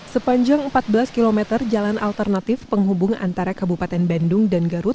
sepanjang empat belas km jalan alternatif penghubung antara kabupaten bandung dan garut